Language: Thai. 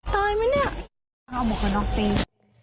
ตายมั้ยเนี่ย